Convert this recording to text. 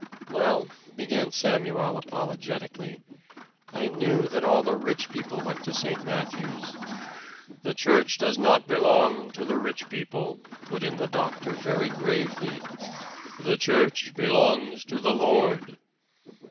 "Well," began Samuel apologetically, "I knew that all the rich people went to St. Matthew's " "The church does not belong to the rich people," put in the doctor very gravely; "the church belongs to the Lord."